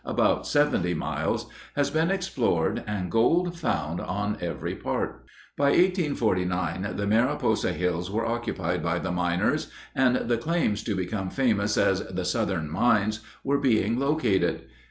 about seventy miles, has been explored and gold found on every part." By 1849 the Mariposa hills were occupied by the miners, and the claims to become famous as the "Southern Mines" were being located.